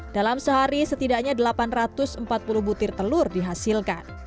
dalam sehari setidaknya delapan ratus empat puluh butir telur dihasilkan